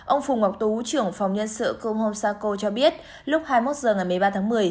ông phùng ngọc tú trưởng phòng nhân sự comom sako cho biết lúc hai mươi một h ngày một mươi ba tháng một mươi